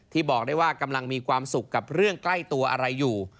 บอกได้ว่ากำลังมีความสุขกับเรื่องใกล้ตัวอะไรอยู่